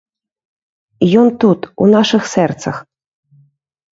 Ён тут, у нашых сэрцах.